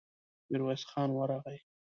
ميرويس خان ورغی.